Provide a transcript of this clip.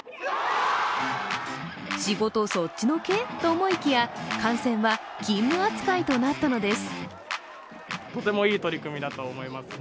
仕事そっちのけ？と思いきや、観戦は勤務扱いとなったのです。